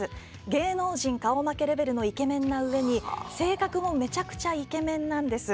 芸能人顔負けレベルのイケメンなうえに性格もめちゃくちゃイケメンなんです。